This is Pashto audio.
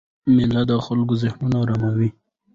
مېلې د خلکو ذهنونه آراموي.